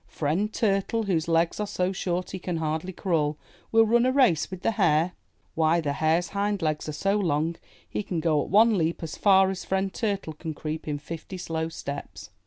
Friend Turtle, whose legs are so short he can hardly crawl, will run a race with the Hare! Why, the Hare's hind legs are so long he can go at one leap as far as Friend Turtle can creep in fifty slow steps!